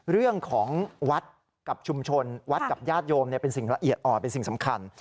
เรื่องของวัดกับชุมชนวัดกับญาติโยมเป็นสิ่งละเอียดอ่อนเป็นสิ่งสำคัญ